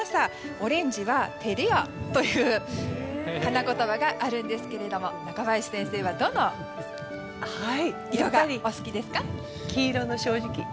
オレンジは照れ屋という花言葉があるんですけども中林先生はどの色がお好きですか？